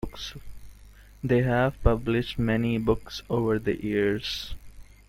They have published many books over the years.